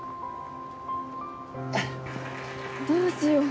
どうしよう